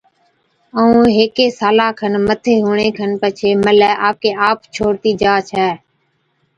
ائُون هيڪي سالا کن مٿي هُوَڻي کن پڇي ملَي آپڪي آپ ڇوڙتِي جا ڇَي